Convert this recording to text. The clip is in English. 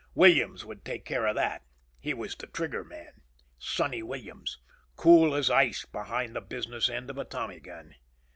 Williams would take care of that. He was the trigger man. Sonny Williams, cool as ice behind the business end of a Tommy gun.